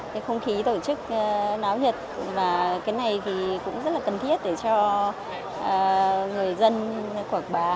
cái không khí tổ chức náo nhiệt và cái này thì cũng rất là cần thiết để cho người dân quảng bá